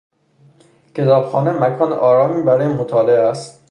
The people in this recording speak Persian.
کتابخانه مکان آرامی برای مطالعه است.